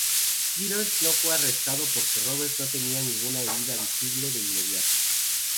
Peters no fue arrestado porque Roberts no tenía ninguna herida visible de inmediato.